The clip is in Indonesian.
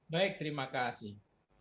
baik terima kasih